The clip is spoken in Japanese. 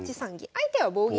相手は棒銀。